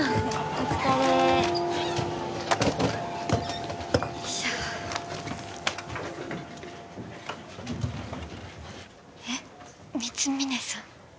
お疲れよいしょえっ光峯さん？